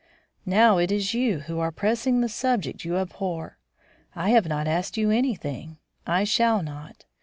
"Now it is you who are pressing the subject you abhor. I have not asked you anything; I shall not.